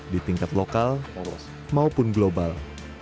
di tingkat lokal maupun global